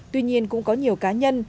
tuy nhiên cũng có nhiều cá nhân